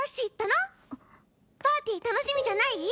あっパーティー楽しみじゃない？